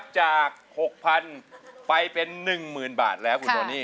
จาก๖๐๐๐ไปเป็น๑๐๐๐บาทแล้วคุณโทนี่